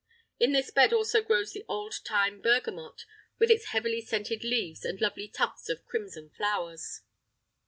In this bed also grows the old time bergamot, with its heavily scented leaves and lovely tufts of crimson flowers.